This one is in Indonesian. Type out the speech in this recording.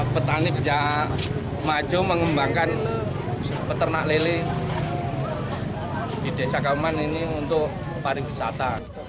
petani bisa maju mengembangkan peternak lele di desa kauman ini untuk pariwisata